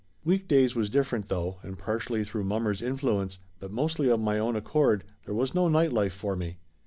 Week days was different, though, and partially through mommer's influence, but mostly of my own accord, there was no night life for me.